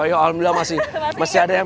alhamdulillah masih ada yang